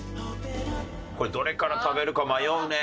これどれから食べるか迷うね。